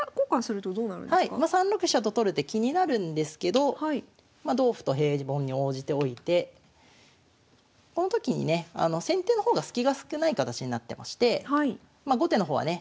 ３六飛車と取る手気になるんですけどまあ同歩と平凡に応じておいてこの時にね先手の方がスキが少ない形になってまして後手の方はね